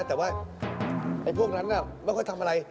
แต่ว่าไอ้พวกนั้นไม่ค่อยทำอะไร